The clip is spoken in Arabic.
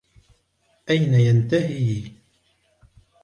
أين ينتهي؟